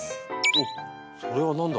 おっそれは何だ？